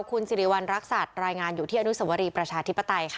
คุณสิริวัณรักษัตริย์รายงานอยู่ที่อนุสวรีประชาธิปไตยค่ะ